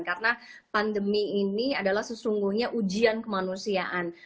karena pandemi ini adalah sesungguhnya ujian kemanusiaan